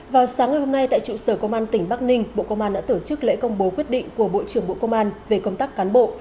vào sáng ngày hôm nay tại trụ sở công an tỉnh bắc ninh bộ công an đã tổ chức lễ công bố quyết định của bộ trưởng bộ công an về công tác cán bộ